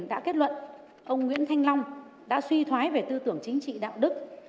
đã kết luận ông nguyễn thanh long đã suy thoái về tư tưởng chính trị đạo đức